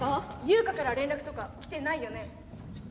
ユウカから連絡とか来てないよね？